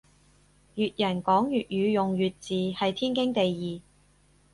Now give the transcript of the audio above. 粵人講粵語用粵字係天經地義